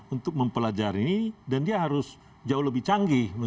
untuk mempelajari dan dia harus jauh lebih canggih